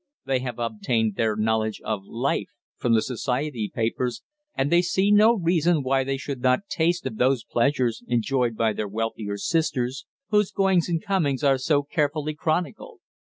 They have obtained their knowledge of "life" from the society papers, and they see no reason why they should not taste of those pleasures enjoyed by their wealthier sisters, whose goings and comings are so carefully chronicled.